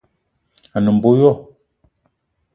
A ne mbo yo